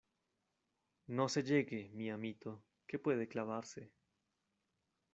no se llegue, mi amito , que puede clavarse...